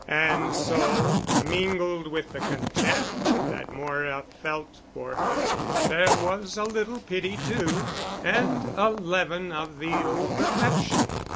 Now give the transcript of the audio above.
And so, mingled with the contempt that Moira felt for her, there was a little pity too, and a leaven of the old affection.